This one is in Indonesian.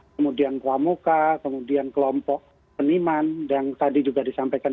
kemudian kuamuka kemudian kelompok peniman yang tadi juga disampaikan